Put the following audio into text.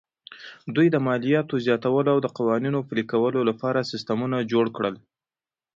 دوی د مالیاتو زیاتولو او د قوانینو پلي کولو لپاره سیستمونه جوړ کړل